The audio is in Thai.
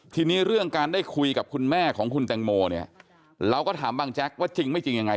ทีนี้เรื่องการได้คุยกับคุณแม่ของคุณแตงโมเนี่ยเราก็ถามบางแจ๊กว่าจริงไม่จริงยังไง